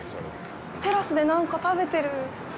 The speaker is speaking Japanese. テラスでなんか食べてる。